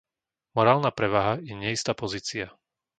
Morálna prevaha je neistá pozícia.